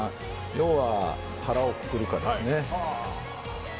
要は腹をくくるかです。